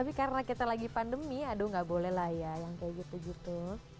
tapi karena kita lagi pandemi aduh gak boleh lah ya yang kayak gitu gitu